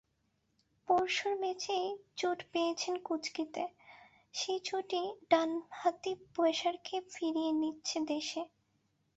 পরশুর ম্যাচেই চোট পেয়েছেন কুঁচকিতে, সেই চোটই ডানহাতি পেসারকে ফিরিয়ে নিচ্ছে দেশে।